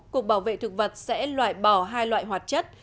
cục bảo vệ thực vật sẽ loại bỏ hai loại hoạt chất